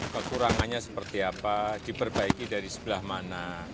kekurangannya seperti apa diperbaiki dari sebelah mana